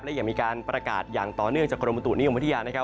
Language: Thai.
และยังมีการประกาศอย่างต่อเนื่องจากกรมบุตุนิยมวิทยานะครับ